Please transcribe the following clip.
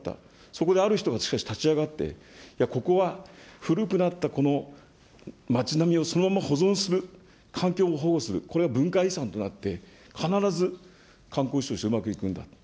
そこである人たちが立ち上がって、ここは古くなった町並みをそのまま保存する、環境を保護する、これは文化遺産となって、必ず観光地としてうまくいくんだと。